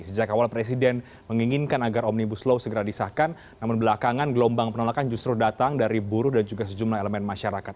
sejak awal presiden menginginkan agar omnibus law segera disahkan namun belakangan gelombang penolakan justru datang dari buruh dan juga sejumlah elemen masyarakat